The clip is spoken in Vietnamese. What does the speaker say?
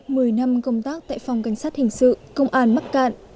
mười năm công tác tại phòng cảnh sát hình sự công an bắc cạn